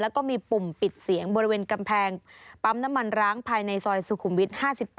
แล้วก็มีปุ่มปิดเสียงบริเวณกำแพงปั๊มน้ำมันร้างภายในซอยสุขุมวิท๕๘